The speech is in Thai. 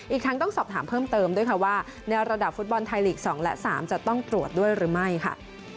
อีกทั้งต้องสอบถามเพิ่มเติมด้วยค่ะว่าแนวระดับฟุตบอลไทยลีก๒และ๓จะต้องตรวจด้วยหรือไม่ค่ะ